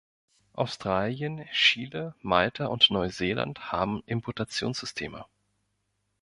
Australien, Chile, Malta und Neuseeland haben Imputationssysteme.